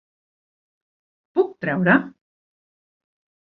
Puc treure??